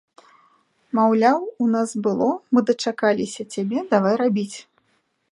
Маўляў, у нас было, мы дачакаліся цябе, давай рабіць.